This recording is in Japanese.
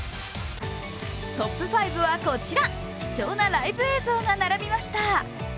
トップ５はこちら、貴重なライブ映像が並びました。